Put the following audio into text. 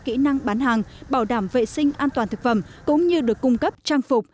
kỹ năng bán hàng bảo đảm vệ sinh an toàn thực phẩm cũng như được cung cấp trang phục